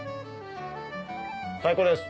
最高です！